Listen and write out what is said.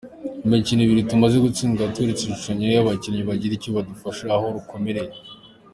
Imikino ibiri tumaze gutsindwa yatweretse ishusho nyayo y’abakinnyi bagira icyo badufasha aho rukomeye.